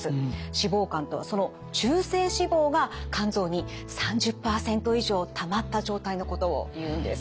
脂肪肝とはその中性脂肪が肝臓に３０％以上たまった状態のことをいうんです。